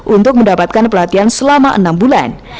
untuk mendapatkan pelatihan selama enam bulan